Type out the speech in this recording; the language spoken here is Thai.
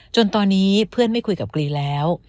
จนตอนนี้เพื่อนไม่คุยกับกรีแล้ว